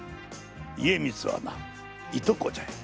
家光はないとこじゃよ。